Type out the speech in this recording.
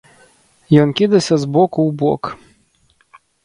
Ён кідаўся з боку ў бок.